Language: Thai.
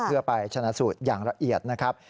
เพื่อไปชนะสูตรอย่างละเอียดนะครับ